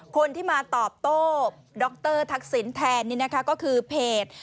คนที่มาตอบโต้ดรทักษิณแทนนี่นะคะก็คือเพจ